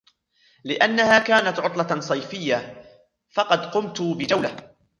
لانها كانت عطلة صيفية ، فقد قمت بجولة.